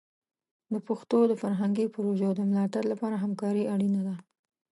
د پښتو د فرهنګي پروژو د ملاتړ لپاره همکاري اړینه ده.